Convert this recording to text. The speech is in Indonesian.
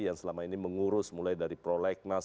yang selama ini mengurus mulai dari prolegnas